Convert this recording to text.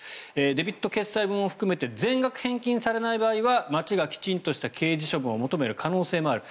デビット決済分も含めて全額返金されない場合は町がきちんとした刑事処分を求める可能性もある。